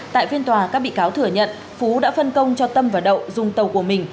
tại phiên tòa các bị cáo thừa nhận phú đã phân công cho tâm và đậu dùng tàu của mình